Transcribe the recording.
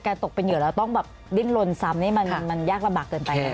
แก่ตกเป็นเหลือแล้วต้องดิ้นรนซ้ำมันยากระบากเกินไป